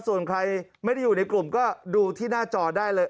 ส่วนใครไม่ได้อยู่ในกลุ่มก็ดูที่หน้าจอได้เลย